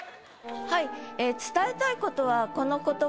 はい。